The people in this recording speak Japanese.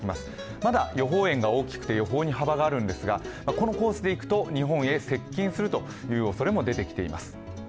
まだ予報円が大きくて予報に幅があるんですが、このコースでいくと日本に接近するおそれも出てきています。